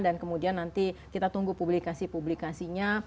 dan kemudian nanti kita tunggu publikasi publikasinya